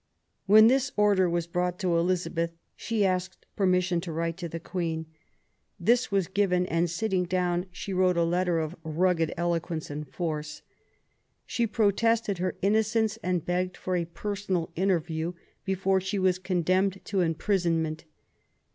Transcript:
When this order was brought to Elizabeth she asked permission to write to the Queen. This was given, and sitting down, she wrote a letter of rugged eloquence and force. She protested her innocence, and begged for a personal interview before she was condemned to imprisonment.